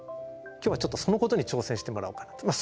今日はちょっとそのことに挑戦してもらおうかなと。